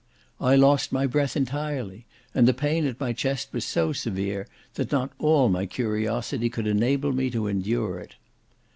I lost my breath entirely; and the pain at my chest was so severe, that not all my curiosity could enable me to endure it.